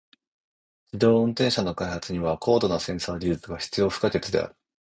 自動運転車の開発には高度なセンサー技術が必要不可欠である。